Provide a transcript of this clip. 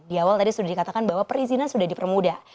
di awal tadi sudah dikatakan bahwa perizinan sudah dipermudah